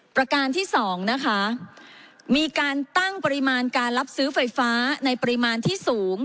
ประการที่๒นะคะมีการตั้งปริมาณการรับซื้อไฟฟ้าในปริมาณที่สูง